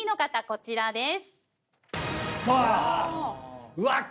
こちらです。